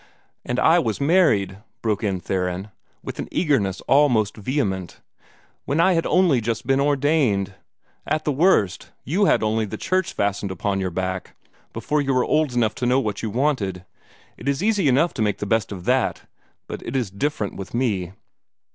"And I was married," broke in Theron, with an eagerness almost vehement, "when I had only just been ordained! At the worst, YOU had only the Church fastened upon your back, before you were old enough to know what you wanted. It is easy enough to make the best of THAT, but it is different with me."